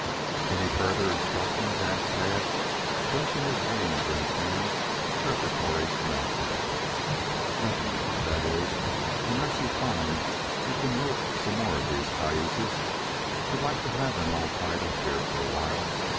"Any further instructions?" asked Tad, bunching the reins in his hand preparatory to mounting. "Nothing. That is, unless you find you can rope some more of these cayuses. I'd like to have them all tied up here for a while.